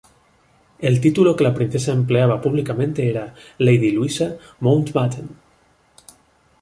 El título que la princesa empleaba públicamente era Lady Luisa Mountbatten.